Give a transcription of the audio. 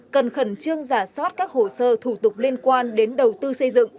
cần khẩn trương giả soát các hồ sơ thủ tục liên quan đến đầu tư xây dựng